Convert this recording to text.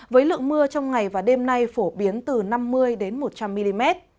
với lượng mưa trong ngày và đêm nay phổ biến từ năm mươi một trăm linh mm